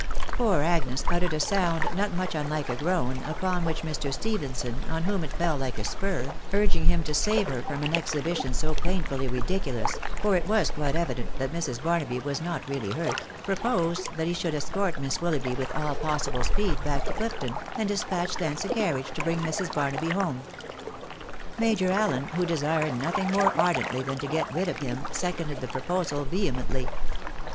Poor Agnes uttered a sound not much unlike a groan, upon which Mr. Stephenson, on whom it fell like a spur, urging him to save her from an exhibition so painfully ridiculous (for it was quite evident that Mrs. Barnaby was not really hurt), proposed that he should escort Miss Willoughby with all pos sible speed back to Clifton, and despatch thence a carriage to bring Mrs. Barnaby home. Major Allen, who desired nothing more ardently than to get rid of him, seconded the proposal vehemently.